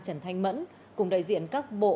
trần thanh mẫn cùng đại diện các bộ